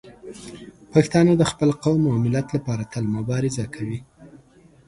پښتانه د خپل قوم او ملت لپاره تل مبارزه کوي.